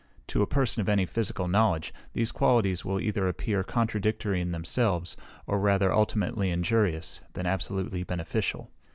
To a person of any physical knowledge, these qualities will either appear contradictory in themselves, or rather ultimately injurious, than absolutely beneficial.